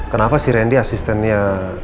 kenapa si randy asistennya